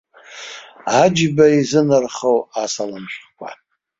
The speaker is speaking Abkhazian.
Аџьба изынархоу асалам шәҟәқәа.